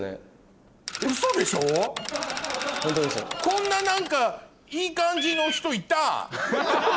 こんな何かいい感じの人いた？